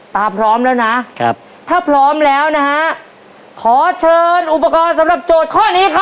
พร้อมแล้วนะครับถ้าพร้อมแล้วนะฮะขอเชิญอุปกรณ์สำหรับโจทย์ข้อนี้ครับ